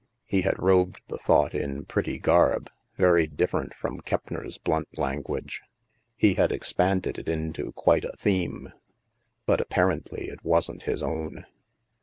He had robed the thought in pretty garb, very dif ferent from Keppner's blunt language; he had ex panded it into quite a theme. But apparently it wasn't his own.